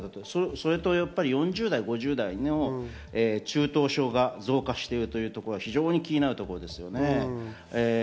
それと５０代、４０代、中等症が増加しているというところは非常に気になるところですよね。